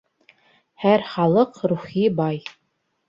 Һәр халыҡ рухи бай